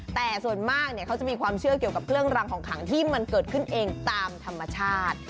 แต่ส่วนมากเขาจะมีความเชื่อเกี่ยวกับเครื่องรังของขังที่มันเกิดขึ้นเองตามธรรมชาติ